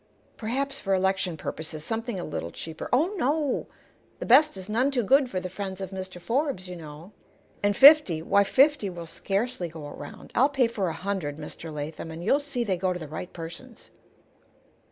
Perhaps for election purposes something a little cheaper " "Oh, no; the best is none too good for the friends of Mr. Forbes, you know. And fifty why fifty will scarcely go around. I'll pay for a hundred, Mr. Latham, and you'll see they go to the right persons."